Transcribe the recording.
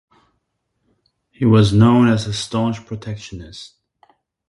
He was known as a staunch protectionist.